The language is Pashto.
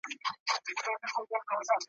خوب ته دي راغلی یم شېبه یمه هېرېږمه `